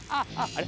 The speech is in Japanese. あれ？